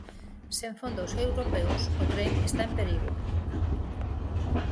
Sen fondos europeos, o tren está en perigo.